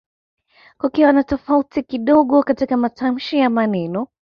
kukiwa na tofauti kidogo katika matamshi ya maneno